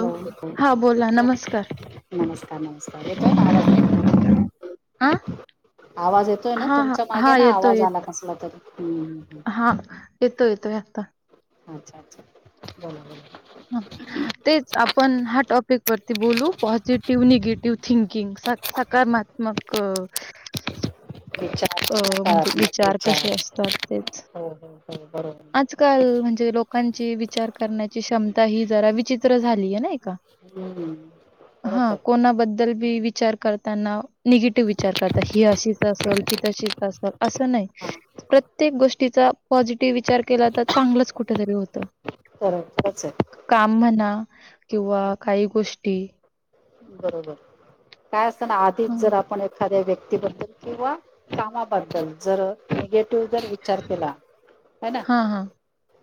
Hello हा बोला नमस्कार नमस्कार नमस्कार येतोय ना आवाज नीट. हा आवाज येतोय ना हा तुमच्या मागे हा ना येतोय आवाज येत आला कसला तरी हम्म. हा येतो येतो आता. अच्छा अच्छा बोला बोला ह तेच पण हा टॉपिकवरती बोलू पॉझिटिव्ह निगेटिव्ह थिंकिंग स सकारात्मक विचार विचार अ, हो म्हणजे विचार हो कसे हो असतात तेच [unintelligible] [inaudible] आजकाल म्हणजे लोकांची विचार करण्याची क्षमता ही जरा विचित्र झालीय ना. हम्म खरंच हा आहे कोणा बद् दल बी विचार करताना निगेटिव्ह विचार करता ही अशी असलं ती तशीच असलं, असं नाही. हा प्रत्येक गोष्टीचा पॉझिटिव्ह विचार केला तर चांगलंच कुठेतरी होतं. खरं, खरचं ये. काम म्हणा किंवा काही गोष्टी बरोबर काय असत ना आधीच हां, जर आपण ए एखाद्या व्यक्तीबद्दल किंवा कामाबद्दल जर अ निगेटिव्ह जर विचार केला, हे ना हां, हां.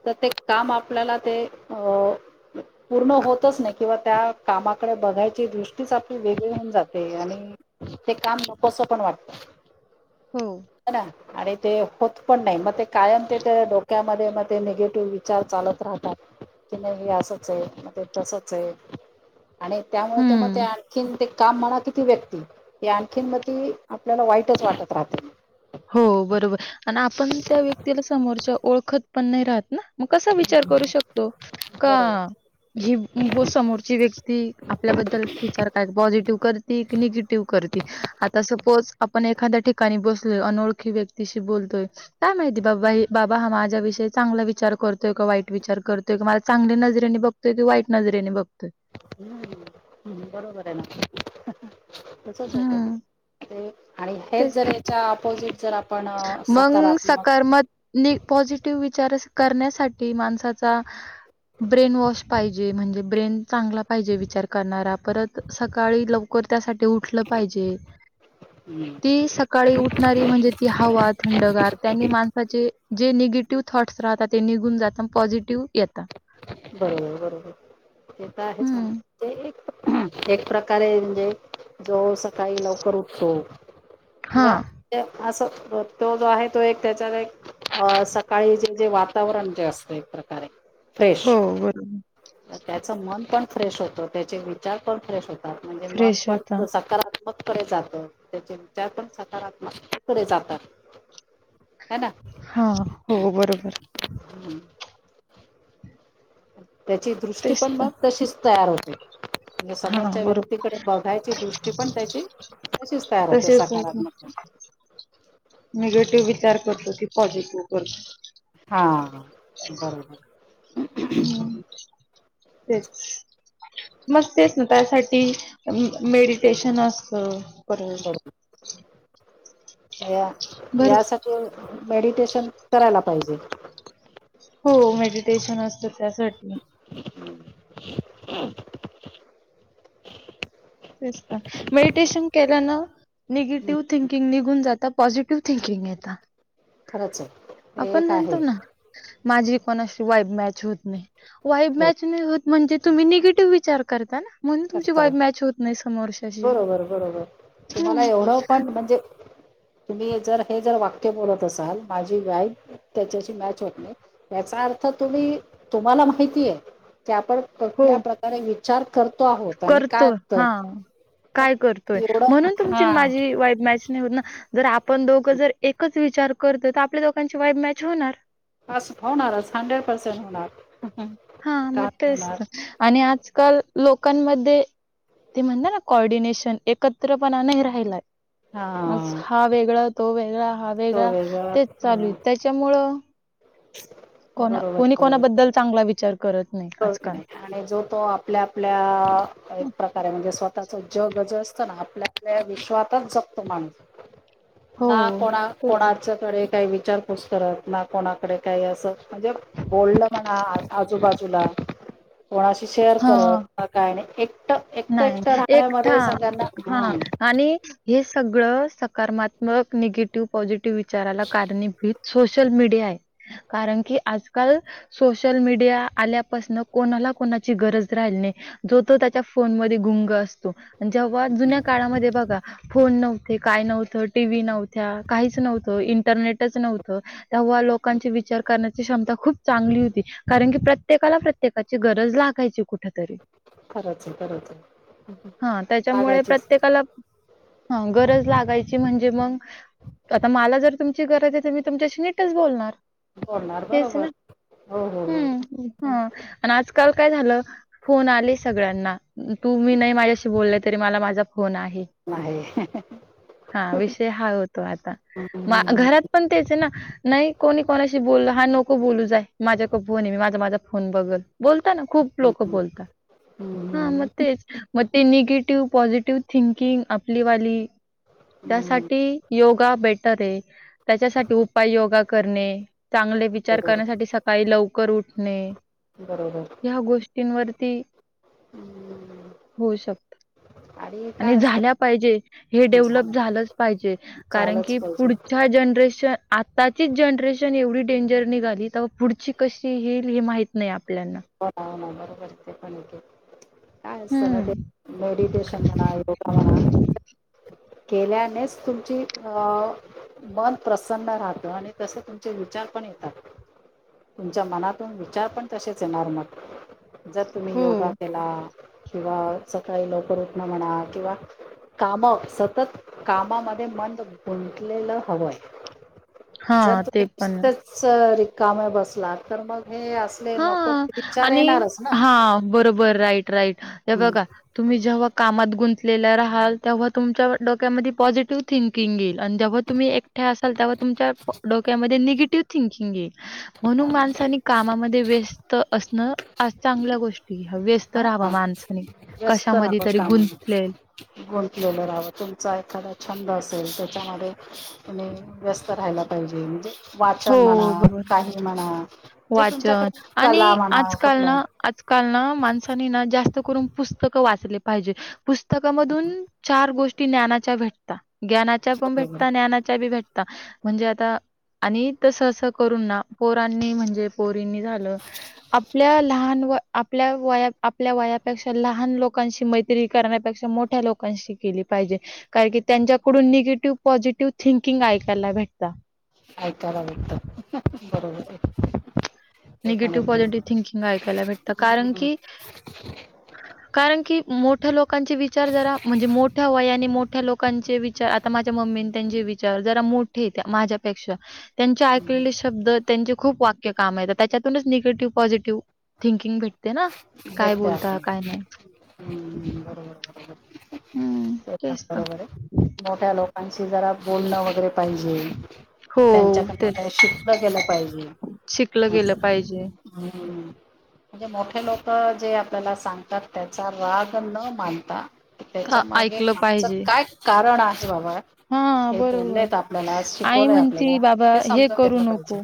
त ते काम आपल्याला ते अ पूर्ण होतचं नाही किंवा त्या कामाकडे बघाय ची दृष्टीच आपली वेगळी होऊन जाते, आणि ते काम नकोसं पण वाटतं. हो, होणा. आणि ते होत पण नाही मग ते कायम ते त्या डोक्यामध्ये मग ते निगेटिव्ह विचार चालत राहतात. की नाही हे असचं ये म ते तसचं ये आणि त्यामुळे ते म ते हं. आणखीन ते काम म्हणा कि ती व्यक्ती ये आणखीन म ती आपल्याला वाईटचं वाटत राहते. हो बरोबर आणि आपण त्या व्यक्तीला समोरच्या ओळखत पण नाही राहत ना. म कसा विचार करू शकतो का? बरोबर ही अं बो समोरची व्यक्ती आपल्याबद्दल विचार काय पॉझिटिव्ह करती की? निगेटिव्ह करती? आता सपोज आपण एखाद्या ठिकाणी बसलोय, अनोळखी व्यक्तीशी बोलतोय. काय माहिती बाबा हे हा बाबा हा माझ्या विषयी चांगला विचार करतोय का वाईट विचार करतोय, का मला चांगली नजरेने बघ तर ते वाईट नजरेने बघतोय. हम्म हं बरोबर आहे ना, तसचं होत हं, ते, ते आणि हेच जर याच्या ऑपोजिट जर आप मंग सकारमत नि पॉझिटिव्ह विचार स करण्यासाठी माणसाचा‌ ब्रेन वॉश पाहिजे म्हणजे ब्रेन चांगला पाहिजे, विचार करणारा परत सकाळी लव लवकर त्यासाठी उठलं पाहिजे, हम्म. ती सकाळी उठणारी म्हणजे की हवा थंडगार त्यानी माणसाचे जे निगेटिव्ह थॉट्स राहतात, ते निघून जातात पॉझिटिव येता. बरोबर, बरोबर ते तर आहेच म्हणा. हं, ते एक, एक प्रकारे म्हणजे जो सकाळी लवकर उठतो, किंवा हां. ते, असं तो जो आहे तो एक त्याच्यात एक हं सकाळी जे, जे वातावरण जे असते प्र हो बरोबर. त त्याच मन पण फ्रेश होतं, त्याचे विचार पण फ्रेश होतात, म्हणजे मन फ्रेश होता. पण सकारात्मक मग कडे जातं त्याचे विचार पण सकारात्मक कडे जातात. हा, हो बरोबर हम्म, त्याची दृष्टी तेच पण तर. मग तशीच तयार होते. म्हणजे हां, समोरच्या बरोबर. व्यक्तीकडे बघायची दृष्टी पण त्याची तशीच तयार होते तसेच सकारात्मक. निगेटिव्ह विचार करतो, की पॉझिटिव्ह करतो. हा, हा मगं हं तेच, मग तेच ना त्यासाठी मेडिटेशन असतं. परत बरोबर या भर यासाठी ते मेडिटेशन करायला पाहिजे. हो मेडिटेशन असतं त्यासाठी हं तेच ना मेडिटेशन केल्यान निगेटिव्ह थिंकिंग निघून जात. पॉझिटिव्ह थिंकिंग येतं. खरचं आहे. हे आपण एक आहे म्हणतो ना माझी कोणाशी वाईब मॅच होत नाही. वाईब हो मॅच नाही होत म्हणजे तुम्ही निगेटिव्ह विचार करता ना म्हणून तुमची करतात वाईब मॅच होत नाही समोरच्याशी बरोबर बरोबर तुम्हाला एवढं पण म्हणजे तुम्ही जर हे जर वाक्य बोलत असाल माझी वाईब त्याच्याशी मॅच होत नाही. याचा अर्थ तुम्ही तुम्हाला माहितीय की आपण कुठल्या प्रकारे विचार कर करतोय. हा मग काय करतोय? एवढं म्हणून हा तुमची माझी वाईब मॅच नाही होत ना जर आपण दोघं जर एकच विचार करतो तर आपल्या दोघांची वाईब मॅच होणार. अस होणारच हंड्रेड पर्सेंट होणार. हा का मग होणार तेच आणि आजकाल लोकांमध्ये ते म्हणत ना कॉर्डिनेशन एकत्र पणा नाही राहिलाय. आज हा वेगळा, तो वेगळा हा तो वेगळा तेच हा, चालू आहे. त्याच्यामुळं कोणा बरोबर कोणी बरोबर कोणाबद्दल चांगला विचार करत नाही कळत आजकाल नाही आणि जो तो आपल्या आपल्या एक प्रकारे म्हणजे स्वतःच जग जे असतं ना आपल्या आपल्या विश्वातच जगतो माणूस हो, ना कोणा तेच. कोणा च्याकडे काही विचारपूस करत ना कोणाकडे काही असं म्हणजे बोललं म्हणा आजूबाजूला कोणाशी शेअर हां. करत काय नाही एक एक एकट नाही, एकट एकटा राहण्यामध्ये सगळ्यांना हां आणि हे सगळं सकारमात्मक निगेटिव्ह पॉझिटिव्ह विचाराला कारणीभूत सोशल मीडिया आहे कारण की आजकाल सोशल मीडिया आल्यापासन कोणाला कोणाची गरज राहिली नाही जो तो त्या फोन मध्ये गुंग असतो जेव्हा जुन्या काळामध्ये बघा फोन नव्हते काय नव्ह टीव्ही नव्हत्या काहीच नव्हत इंटरनेटच नव्हत तेव्हा लोकांचे विचार कर क्षमता खूप चांगली होती कारण की प्रत्येकाला प्रत्येकाची गरज लागायची कुठतरी खरच खरच हा त्याच्यामुळे प्रत्येकाला ह गरज लागायची म्हणजे मग आता मला जर तुमची गरज आहे तर मी तुमच्याशी नीटच बोलणार बोलणार हेच बरोबर ना हो हो हो हम्म हा आणि आजकाल काय झालं फोन आले सगळ्यांना तू मी नाही माझ्याशी बोलले तरी मला माझा फोन आहे नाही हा विषय हा होतो आता मा हम्म, घरात पण तेच आहे ना नाही कोणी कोणाशी बोललं हा नको बोलू जा माझ्याकड फोन आहे मी माझा माझा फोन बगल बोलता ना खूप लोक हम्म, बोलतात हा म हम्म, तेच मग ते निगेटिव्ह पॉझिटिव्ह थिंकिंग आपली वाली हम्म, त्यासाठी योगा बेटर आहे त्याच्यासाठी उपाय योगा करणे चांगले विचार बरोबर करण्यासाठी सकाळी लवकर उठणे बरोबर ह गोष्टींवरती हम्म. होऊ शकत आणि काय झाल्या असतं पाहिजे हे डेव्हलप झालं झालंच पाहिजे कारण झालंच की पाहिजे पुढ या जनरेशन आताचीच जनरेशन एवढी डेंजर निघाली तवा पुढची कशी हिल ही माहित नई आपल्याना नगर वर्च पण [unintelligible] काय असत ना हं, ते मेडिटेशन म्हणा योगा म्हणा केल्यानेच तुमची अ मन प्रसन्न राहतं आणि तसे तुमचे विचार पण येतात तुमच्या मनातून विचार पण तसेच येणार मग जर तुम्ही हो. योगा केला. किंवा सकाळी लवकर उठन म्हणा किंवा काम सतत कामामध्ये मन गुंतलेलं हवंय जर हां, तुम्ही ते पण आहे. नुसतेच रिकामे बसला तर मग हे असले नक हा आणि हा बर बर राईट राईट हे बघा तुम्ही जेव्हा कामात गुंत गुंतलेल्या राहाल तेव्हा तुमच्या डोक्यामध्ये पॉझिटिव्ह थिंकिंग येईल आणि जेव्हा तुम्ही एकट्या असाल तेव्हा तुमच्या डोक्यामध्ये निगेटिव्ह थिंकिंग ये म्हणून माणसानी कामामध्ये व्यस्त असणं हा चांगल्या गोष्ट ह व्यस्त राहाव हा माणसाने व्यस्त कशामध्ये राहावं तरी कामामध्ये गुंतलेल गुंतलेलं राहावं तुमचा एखादा छंद असेल त्याच्यामध्ये तुम्ही व्यस्त राहायला पाहिजे म्हजे हो, वाचन म्हणा बरोबर. काही म्हणा जे वाचन तुमच्याकडे कला आणि म्हणा आजकाल कुठलं ना, आजकाल ना माणसांनी ना जास्त करून पुस्तक वाचले पाहिजे पुस्तकामधून चार गोष्टी ज्ञानाच्या भेटता ग्यानाच्या पण बरोबर भेटता ज्ञानाच्या बी भेटता म्हणजे आता आणि तसं असं करून ना पोरांनी म्हणजे पोरींनी झालं आपल्या लहान व आपल्या वया आपल्या वयापेक्षा लहान लोकांशी मैत्री मैत्री करण्यापेक्षा मोठ्या लोकांशी केली पाहिजे. काय की त्यांच्याकडून निगेटिव्ह पॉझिटिव्ह थिंकिंग ऐकायला भेटत. ऐकायला भेटत बरोबर [inaudible] ते पण निगेटिव्ह एक पॉझिटिव्ह बरोबर थिंकिंग ऐकायला भेटतं कारण की, कारण की मोठ्या लोकांचे विचार जरा म्हणजे मोठ्या वयाने मोठ्या लोक- लोकांचे विचार आता माझ्या मम्मी त्यांचे विचार जरा मोठे माझ्यापेक्षा, त्यांचे ऐकलेले शब्द. त्यांचे खूप वाक्य कामयेत त्याच्यातूनच निगेटिव्ह पॉझिटव्ह थिंकिंग भेटत ते ना आहे काय भेटते बोलता काय आपल्याला नाय हम्म बरोबर तर. मोठ्या लोकांशी जरा बोलणं वगैरे पाहिजे. हो, त्यांच्याकडन तेच. काय शिकल गेल पाहिजे शिकलं अस [inaudible] गेलं पाहिजे. हम्म म्हणजे मोठ. मोठे लोक जे आपल्याला सांगतात त्याचा राग न मानता, हां, त्याच्या मागे ऐकलं मागचं पाहिजे. काय कारण आहे बाबा, हां, हे बरोबर. बोलेत आपल्याला आई शिकवलंय म्हणती, आपल्याला "बाबा हे समजून घेतलं पाहिजे.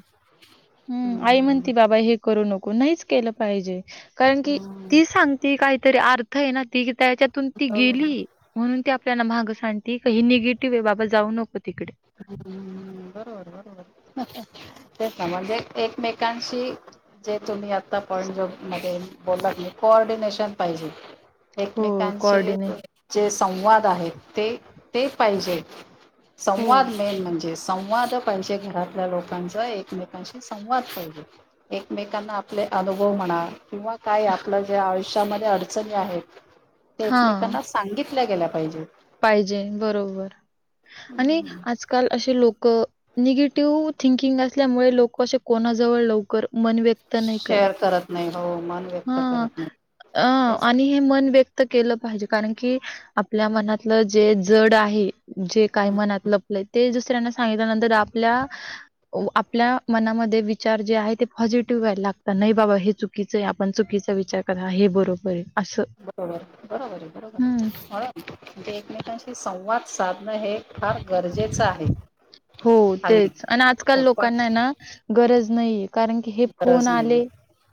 हम्म आई म्हणती बाबा हे करू नको नाहीच केलं पाहिजे. कारण की हम्म हम्म. ती सांगती काहीतरी अर्थ हाय ना ती की त्याच्यातून ती हम्म गेली, म्हणून ती आपल्याला माहागं सांगती की ही निगेटिव्ह हाय बाबा जाऊ नको तिकडे. ह् बरोबर बरोबर तेच ना म्हणजे एकमेकांशी [inaudible] जे तुम्ही आता [inaudible] पण जो [inaudible] बोललात नाही कोऑर्डिनेशन पाहिजे. हो एकमेकांचे कोऑर्डिने जे संवाद आहेत ते, ते पाहिजे. हो. संवाद मेन म्हणजे संवाद पाहिजे. घरातल्या लोकांचा एकमेकांशी संवाद पाहिजे. एकमेकांना आपले अनुभव म्हणा किंवा काय आपलं ज्या आयुष्यामध्ये अडचणी आहेत. ते हां, एकमेकांना, सांगितल्या गेल्या पाहिजे. पाहिजे बरोबर आणि आजकाल असे लोक निगेटिव्ह थिंकिंग असल्यामुळे लोक असे कोणाजवळ लवकर, मन शेअर करत नाही हो मन- [inaudible] व्यक्त हा [inaudible] करत नाही अ तेच आणि हे मन व्यक्त केलं पाहिजे कारण की आपल्या मनातलं जे जड आहे. जे काय मनात लपलेय ते दुसऱ्यांना सांगितल्यानंतर आपल्या, आपल्या मनामध्ये विचार जे आहे. ते पॉझिटिव्ह व्हायला लागतात नाही बाबा हे चुकीच- पण चुकीचा विचार करा हे बरोबर आहे. असं. बरोबर बरोबर आहे. बरोबर हं. आहे. म्हणजे एकमेकांशी संवाद साधणं हे फार गरजेचं आहे. हो हल्ली. तेच आणि आजकाल खूप पण लोकांना ना, गरज नाही कारण [inaudible] क हे फोन गरज नाही आले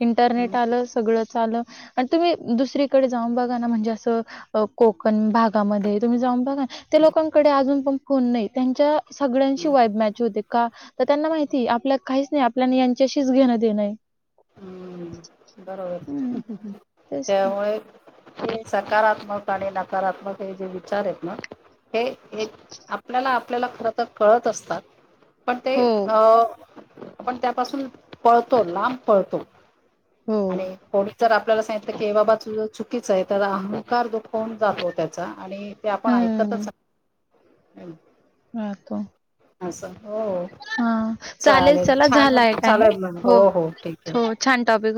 इंटरनेट- [inaudible] लं सगळं आलं आणि तुम्ही दुसरीकडे जाऊन बघा ना म्हणजे असं, कोकण भागामध्ये तुम्ही जाऊन बघा ते लोकांकडे अजून पण फोन नाही त्यांच्या- सगळ्यांशी वाईब मॅच होते का? तर त्यांना माहिती आपल्या काहीच नाही. आपल्या यांच्याशीच घेणं देणं आहे. हम्म... हं, बरोबर तेच ना. त्यामुळे ते सकारात्मक आणि नकारात्मक हे जे विचार आहेत ना, हे आपल्याला, आपल्याला खर तर कळत असतात. पण ते हो, अ [inaudible] आपण त्यापासून पळतो लांब पळतो. हो. आणि ोड [inaudible] जर आपल्याला सांगितलं की हे बाबा [inaudible] च चुकीच आहे त्या अहंकार दुखवून जातो त्याचा आणि- ते आपण हं, ऐकतच. हा का. अस हो. हा चालेल चला छान झालाय टायम चालेल मग हो ठीक आहे हो छान टॉपिक हो